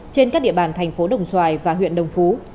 trên các địa bàn thành phố đồng xoài và huyện đồng phú